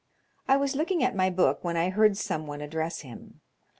I was looking at my book when I heard some one address him.